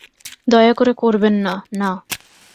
দয়াকরে করবেন না, না।